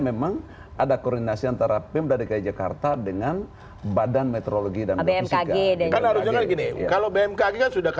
memang ada koordinasi antara pem dari ku jakarta dengan badan meteorologi dan bmkg kalau bmkg sudah